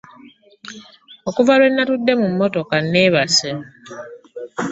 Okuva lwe natudde mu mmotoka nneebase.